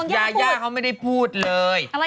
ยาย่าเขาไม่ได้พูดเลย